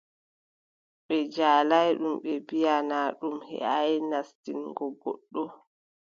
Ɓe njaalaay ɗum ɓe mbiʼa naa ɗum heʼaay nastingo goɗɗo.